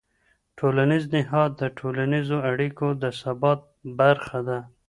ټولنیز نهاد د ټولنیزو اړیکو د ثبات برخه ده.